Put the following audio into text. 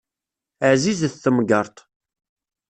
Ɛzizet temgeṛṭ.